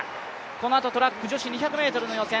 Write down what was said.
このあとトラック女子２００ｍの予選。